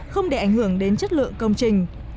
không để ảnh hưởng đến chất lượng công trình